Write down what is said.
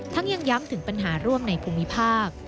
ยังย้ำถึงปัญหาร่วมในภูมิภาค